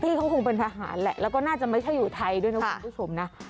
เขาคงเป็นทหารแหละแล้วก็น่าจะไม่ใช่อยู่ไทยด้วยนะคุณผู้ชมนะ